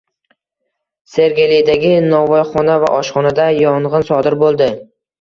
Sergelidagi novvoyxona va oshxonada yong‘in sodir bo‘ldi